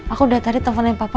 aku udah tadi telfonin papa